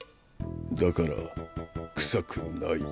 だから臭くない。